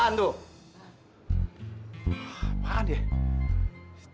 ntar aku bigiin di bawah selidik